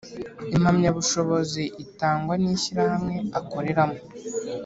impamyabushobozi itangwa nishyirahamwe akoreramo